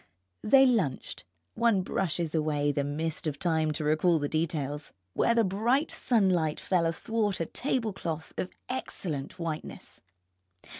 They lunched (one brushes away the mist of time to recall the details) where the bright sunlight fell athwart a tablecloth of excellent whiteness.